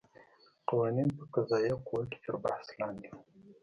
قوانین په قضایه قوه کې تر بحث لاندې وو.